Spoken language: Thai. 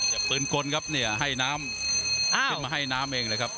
แต่ปืนกลครับเนี่ยให้น้ำขึ้นมาให้น้ำเองเลยครับ